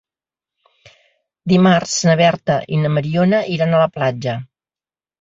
Dimarts na Berta i na Mariona iran a la platja.